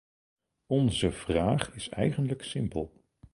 Onze vraag is eigenlijk simpel.